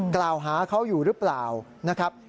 กล่าวหาเขาอยู่หรือเปล่านะครับ